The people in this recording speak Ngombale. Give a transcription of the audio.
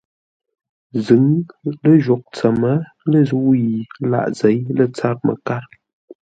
Zʉ̌ŋ ləjwôghʼ tsəm lə̂ zə̂u yi laʼ zěi lə̂ tsâr məkár.